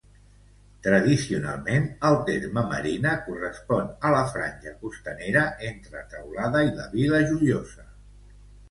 Tradicionalment el terme Marina correspon a la franja costanera entre Teulada i la Vila Joiosa.